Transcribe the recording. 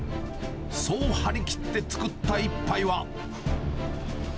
そう張り切って作った一杯は。